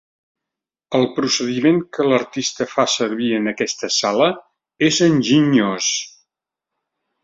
El procediment que l'artista fa servir en aquesta sala és enginyós.